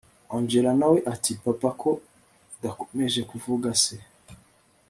angella nawe ati papa ko udakomeje kuvuga se